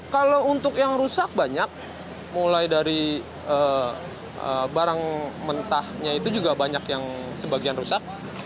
kalau untuk yang rusak banyak mulai dari barang mentahnya itu juga banyak yang sebagian rusak